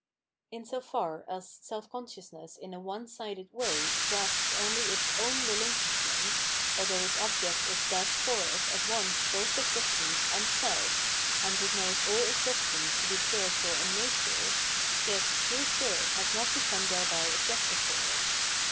In so far as self consciousness in a one sided way grasps only its ovm relinq^uishment, although its object is thus for it at once both existence and self and it knows all existence to be spiritual in nature, yet true spirit has not become thereby objective for it.